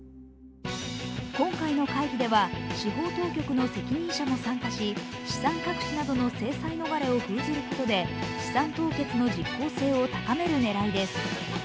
今回の会議では司法当局の責任者も参加し、資産隠しなどの制裁逃れを封じることで資産凍結の実効性を高める狙いです。